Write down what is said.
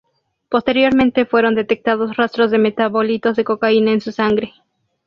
Posteriormente fueron detectados rastros de metabolitos de cocaína en su sangre.